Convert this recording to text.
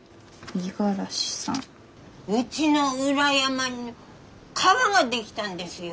うちの裏山に川が出来たんですよ。